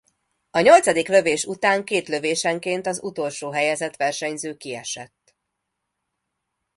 A nyolcadik lövés után két lövésenként az utolsó helyezett versenyző kiesett.